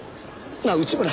なあ内村！